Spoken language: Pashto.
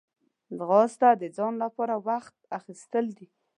ځغاسته د ځان لپاره وخت اخیستل دي